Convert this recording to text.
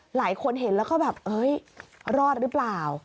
หลายคนเห็นแล้วก็แบบเฮ้ยรอดหรือเปล่า